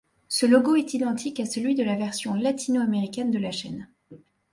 Ce logo est identique à celui de la version latino-américaine de la chaîne.